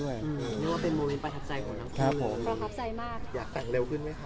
อืมนึกว่าเป็นโมเมนต์ประทับใจของเราครับผมประทับใจมากอยากแต่งเร็วขึ้นไหมครับ